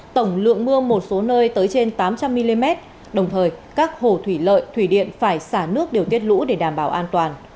tổng lượng mưa một số nơi tới trên tám trăm linh mm đồng thời các hồ thủy lợi thủy điện phải xả nước điều tiết lũ để đảm bảo an toàn